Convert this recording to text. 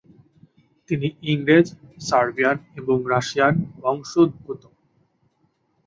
তিনি ইংরেজ, সার্বিয়ান এবং রাশিয়ান বংশোদ্ভূত।